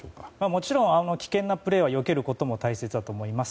もちろん危険なプレーはよけることも大切だと思います。